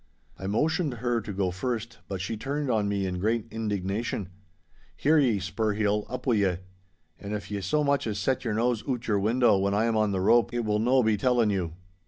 I motioned her to go first, but she turned on me in great indignation. 'Hear ye, Spurheel, up wi' ye! And if ye so much as set your nose oot o' your window when I am on the rope, it will no be telling you.